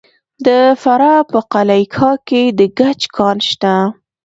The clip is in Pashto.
د فراه په قلعه کاه کې د ګچ کان شته.